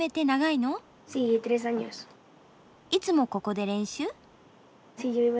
いつもここで練習？